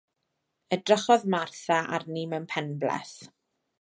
Edrychodd Martha arni mewn penbleth.